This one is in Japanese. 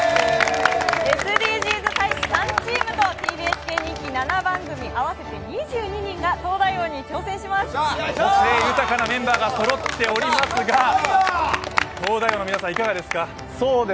ＳＤＧｓ大使３チームとＴＢＳ系人気７番組、合わせて２２人が個性豊かなメンバーがそろっておりますが、「東大王」の皆さん、いがかですか？